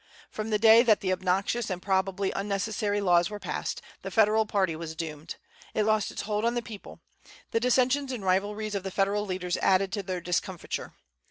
From the day that the obnoxious and probably unnecessary laws were passed, the Federal party was doomed. It lost its hold on the people. The dissensions and rivalries of the Federal leaders added to their discomfiture.